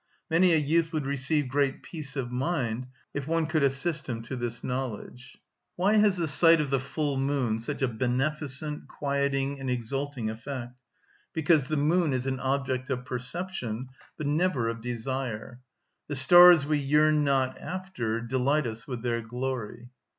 Many a youth would receive great peace of mind if one could assist him to this knowledge. Why has the sight of the full moon such a beneficent, quieting, and exalting effect? Because the moon is an object of perception, but never of desire: "The stars we yearn not after Delight us with their glory."